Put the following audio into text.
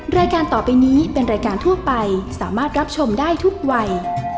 รายการต่อไปนี้เป็นรายการทั่วไปสามารถรับชมได้ทุกวัย